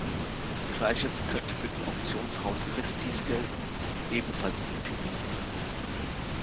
Gleiches könnte für das Auktionshaus Christie's gelten, ebenfalls in Pinault-Besitz.